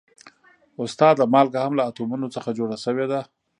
استاده مالګه هم له اتومونو څخه جوړه شوې ده